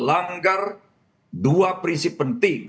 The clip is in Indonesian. langgar dua prinsip penting